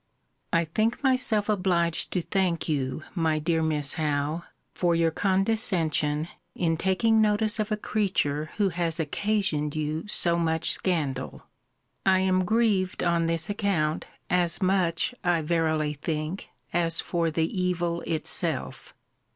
I think myself obliged to thank you, my dear Miss Howe, for your condescension, in taking notice of a creature who has occasioned you so much scandal. I am grieved on this account, as much, I verily think, as for the evil itself.